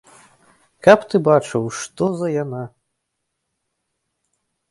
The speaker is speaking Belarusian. Каб ты бачыў, што за яна!